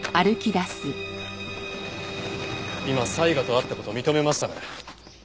今才賀と会った事認めましたね？